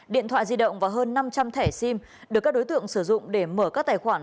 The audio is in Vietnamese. điện thoại di động và hơn năm trăm linh thẻ sim được các đối tượng sử dụng để mở các tài khoản